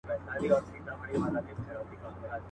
هغه په تېښته پهلوان د سورلنډیو لښکر.